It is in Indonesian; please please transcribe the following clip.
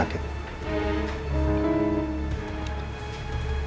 paket makanan buat bu andin